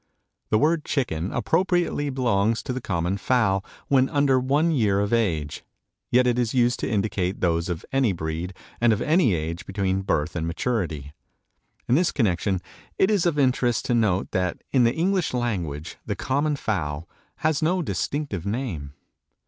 The word chicken appropriately belongs to the common fowl when under one year of age, yet it is used to indicate those of any breed and of any age between birth and maturity. In this connection it is of interest to note that in the English language the common fowl has no distinctive name.